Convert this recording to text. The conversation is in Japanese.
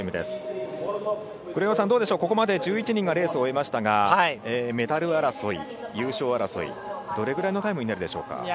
黒岩さん、ここまで１１人がレースを終えましたがメダル争い、優勝争いどれぐらいのタイムになるでしょうか？